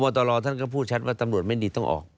ตรท่านก็พูดชัดว่าตำรวจไม่ดีต้องออก